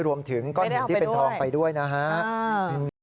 รวมถึงก้อนเห็นที่เป็นทองไปด้วยนะครับอ้าวไม่ได้เอาไปด้วย